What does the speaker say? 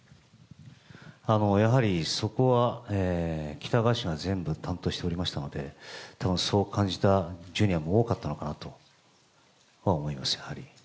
やはりそこは喜多川氏が全部担当しておりましたので、たぶんそう感じたジュニアも多かったのかなとは思います、やはり。